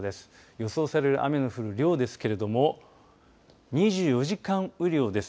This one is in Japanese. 予想される雨の降る量ですけれども２４時間雨量です。